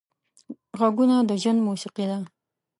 غږونه د ژوند موسیقي ده